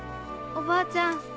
おばあちゃん